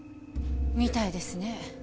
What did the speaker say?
みたいですね。